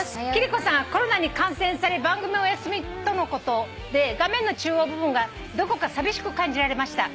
コロナに感染され番組をお休みとのことで画面の中央部分がどこか寂しく感じられました」